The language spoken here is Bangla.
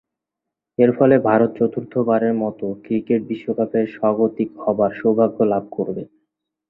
এর ফলে ভারত চতুর্থবারের মতো ক্রিকেট বিশ্বকাপের স্বাগতিক হবার সৌভাগ্য লাভ করবে।